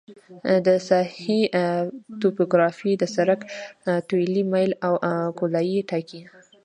د ساحې توپوګرافي د سرک طولي میل او ګولایي ټاکي